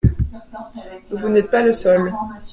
Vous n’êtes pas le seul.